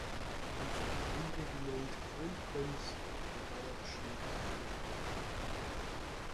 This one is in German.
Infanterie-Regiment „Kronprinz“ der Bayerischen Armee ein.